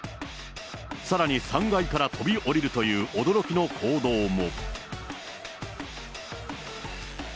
さらに３階から飛び降りるという驚きの行動も。